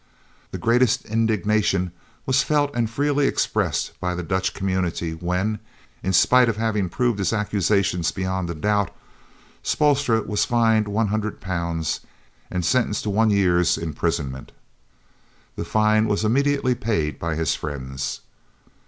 The greatest indignation was felt and freely expressed by the Dutch community when, in spite of having proved his accusations beyond a doubt, Spoelstra was fined £100 and sentenced to one year's imprisonment. The fine was immediately paid by his friends.